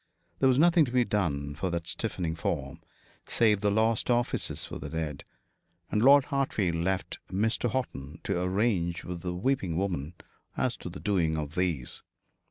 There was nothing to be done for that stiffening form, save the last offices for the dead; and Lord Hartfield left Mr. Horton to arrange with the weeping woman as to the doing of these.